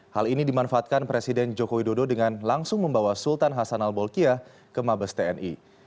hal ini dimanfaatkan presiden joko widodo dengan langsung membawa sultan hasan al bolkiah ke mabes tni